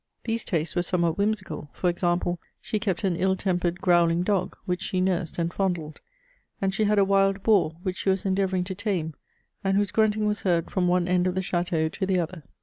These tastes were somewhat whimsical ; for example, she kept an ill tempered growling dog, which she nursed and fondled ; and she had a wild boar, which she was endeavouring to tame, and whose grunting was heard from one end of the ch&teau to the other.